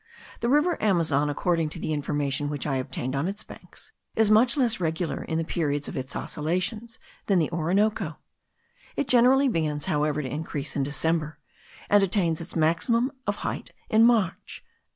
The river Amazon, according to the information which I obtained on its banks, is much less regular in the periods of its oscillations than the Orinoco; it generally begins, however, to increase in December, and attains its maximum of height in March.